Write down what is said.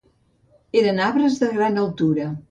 Eren arbres de gran altura.